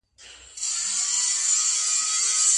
څنګه کولای سو د ناوړه عرفونو مخه ونيسو؟